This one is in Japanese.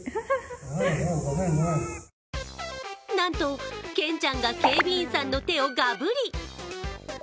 なんと、ケンちゃんが警備員さんの手をガブリ。